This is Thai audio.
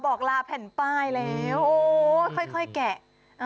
บอกลาแผ่นป้ายแล้วโอ้ค่อยแกะ